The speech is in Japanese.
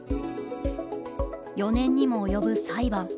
４年にも及ぶ裁判。